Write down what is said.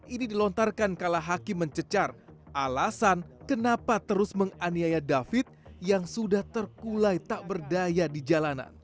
ini dilontarkan kala hakim mencecar alasan kenapa terus menganiaya david yang sudah terkulai tak berdaya di jalanan